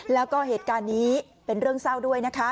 แล้วก็เหตุการณ์นี้เป็นเรื่องเศร้าด้วยนะคะ